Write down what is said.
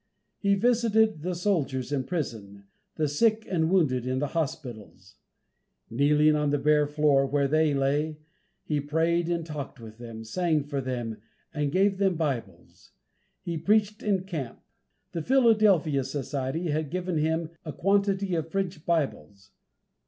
He visited the soldiers in prison, the sick and wounded in the hospitals; kneeling on the bare floor where they lay, he prayed and talked with them, sang for them, and gave them Bibles; he preached in camp. The Philadelphia society had given him a quantity of French Bibles.